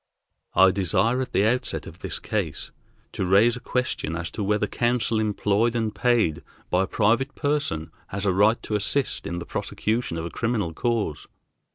I desire at the outset of this case to raise a question as to whether counsel employed and paid by a private person has a right to assist in the prosecution of a criminal cause.